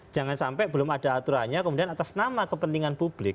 jangan sampai belum ada aturannya kemudian atas nama kepentingan publik